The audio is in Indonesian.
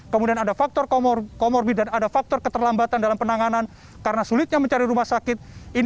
kemudian ada faktor comorbid dan ada faktor keterlambatan dalam penanganan karena sulitnya mencari rumah sakit